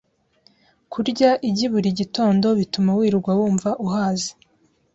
Kurya igi buri gitondo bituma wirirwa wumva uhaze,